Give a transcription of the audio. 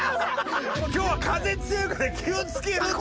今日は風強いから気をつけるって。